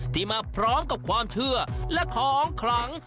ที่มาพร้อมกับความเชื่อและของขลัง